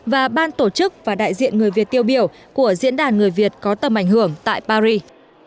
và ban tổ chức và đại diện người việt tiêu biểu của diễn đàn người việt có tầm ảnh hưởng tại paris